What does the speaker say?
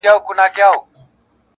تر ماپښینه تر دوو دریو کلیو را تېر سو -